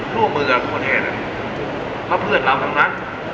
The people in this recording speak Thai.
ร่วมมือกับทุกประเทศมันเพื่อเราทั้งนั้น